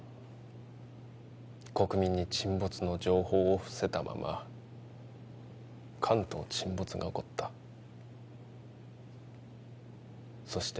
国民に沈没の情報を伏せたまま関東沈没が起こったそして